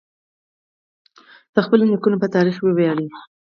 د خپلو نیکونو په تاریخ وویاړئ.